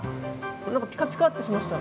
何かピカピカッてしました。